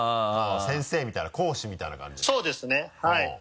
先生みたいな講師みたいな感じでそうですねはい。